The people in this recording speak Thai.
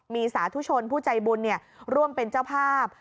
มีสาธุชนผู้ใจบุญร่วมเป็นเจ้าภาพ